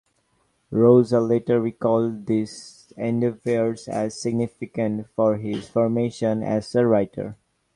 Rosa later recalled this endeavours as significant for his formation as a writer.